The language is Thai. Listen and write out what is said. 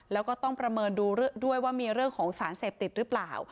แล้วก็ต้องประเมินดูด้วยว่ามีเรื่องของสารเสพติดหรือเปล่า